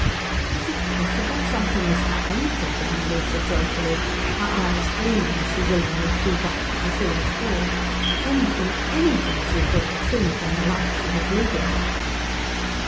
"Is it possible something has happened?" thought Annalise joyfully, her eyes gleaming as she willingly flew back to Priscilla's door, anything, anything, she thought, sooner than the life she was leading.